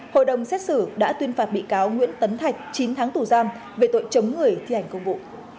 hội đồng xét xử đã tuyên phạt bị cáo nguyễn tấn thạch chín tháng tù giam về tội chống người thi hành công vụ